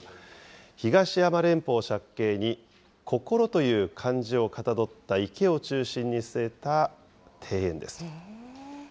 東山連峰を借景に、心という漢字をかたどった池を中心に据えた庭園です。